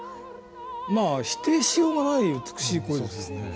まあ否定しようがない美しい声ですよね。